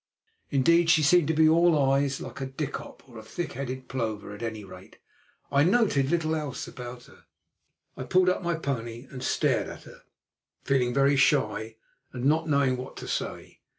Indeed, she seemed to be all eyes, like a dikkop or thick headed plover; at any rate, I noted little else about her. I pulled up my pony and stared at her, feeling very shy and not knowing what to say.